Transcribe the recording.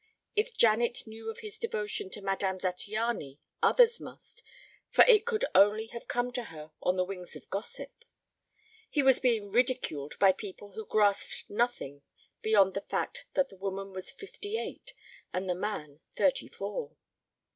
If Janet knew of his devotion to Madame Zattiany others must, for it could only have come to her on the wings of gossip. He was being ridiculed by people who grasped nothing beyond the fact that the woman was fifty eight and the man thirty four.